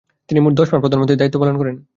তিনি মোট দশমাস প্রধানমন্ত্রীর দায়িত্ব পালন করেন।